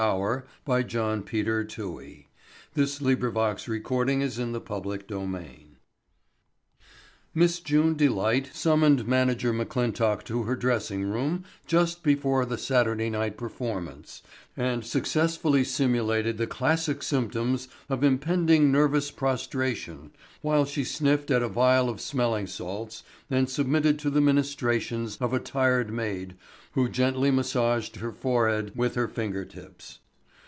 "I'll take an encore on that, girlie," he replied. And he did. Chapter Two Miss June Delight summoned Manager McClintock to her dressing room just before the Saturday night performance and successfully simulated the classic symptoms of impending nervous prostration while she sniffed at a vial of smelling salts and submitted to the ministrations of a tired maid who gently massaged her forehead with her finger tips.